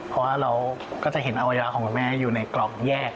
เพราะว่าเราก็จะเห็นอวัยวะของคุณแม่อยู่ในกล่องแยก